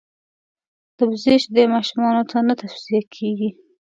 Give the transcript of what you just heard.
دبزې شیدي ماشومانوته نه تو صیه کیږي.